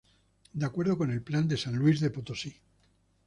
De acuerdo con el Plan de San Luis Potosí.